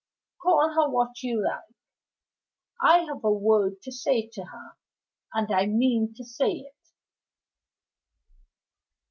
"Call her what you like. I have a word to say to her, and I mean to say it."